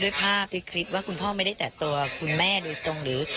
ภาพที่คิดว่าคุณพ่อไม่ได้ตัดตัวคุณแม่โดยตรงหรือ